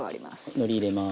のり入れます。